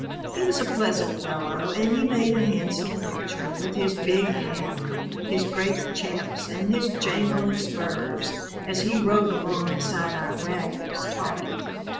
He was a pleasant fellow and he made a handsome picture, with his big hat, his great chaps and his jangling spurs, as he rode along beside our wagons, talking.